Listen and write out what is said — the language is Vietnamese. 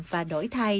và đổi thai